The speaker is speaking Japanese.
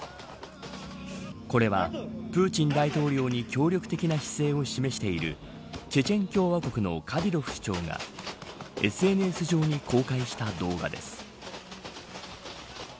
これはプーチン大統領に協力的な姿勢を示しているチェチェン共和国のカディロフ首長がＳＮＳ上に公開した動画です。